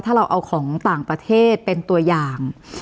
ถ้าเราเอาของต่างประเทศเป็นตัวอย่าง